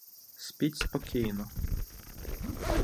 Спіть спокійно.